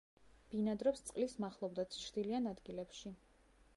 ბინადრობს წყლის მახლობლად ჩრდილიან ადგილებში.